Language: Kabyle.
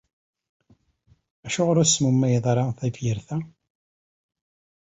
Acuɣer ur tesmemmayeḍ ara tafyirt-a?